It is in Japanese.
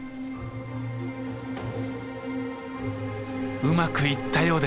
うまくいったようです。